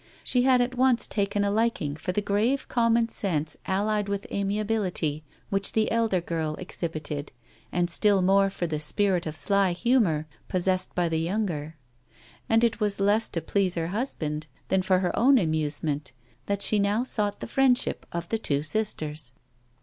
She had at once taken a liking for the grave common sense allied with amiability which the elder girl exhibited and still more for the spirit of sly humor possessed by the younger; and it was less to please her husband than for her own amusement that she now sought the friendship of the two sisters.